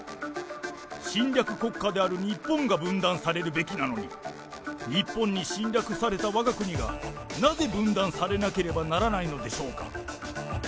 侵略国家である日本が分断されるべきなのに、日本に侵略されたわが国が、なぜ分断されなければならないのでしょうか。